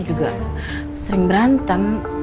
juga sering berantem